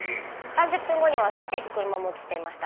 ３０分後には去っていく車も映っていました。